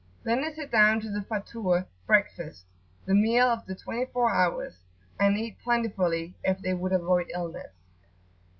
Then they sit down to the Fatur (breakfast), the meal of the twenty four hours, and eat plentifully, if they would avoid illness.